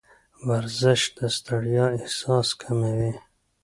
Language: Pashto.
ورزش د ستړیا احساس کموي.